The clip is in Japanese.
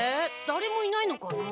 だれもいないのかなあ？